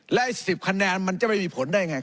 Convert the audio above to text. และ๑๐คะแนนมันจะไม่มีผลได้ไง